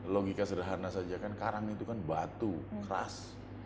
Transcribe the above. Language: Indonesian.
logika sederhana saja kan karang itu kan batu keras